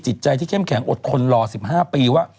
จิตใจที่เข้มแข็งอดทนรอ๑๕ปีว่า